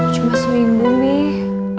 cuma seminggu nih